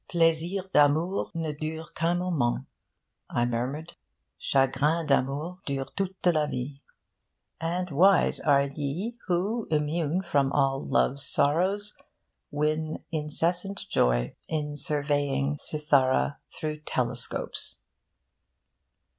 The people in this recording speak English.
'Plaisir d'amour ne dure qu'un moment,' I murmured; 'chagrin d'amour dure toute la vie. And wise are ye who, immune from all love's sorrow, win incessant joy in surveying Cythara through telescopes.